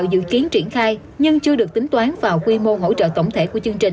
dự kiến triển khai nhưng chưa được tính toán vào quy mô hỗ trợ tổng thể của chương trình